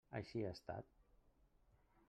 Així ha estat.